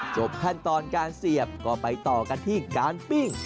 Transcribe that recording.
ขั้นตอนการเสียบก็ไปต่อกันที่การปิ้ง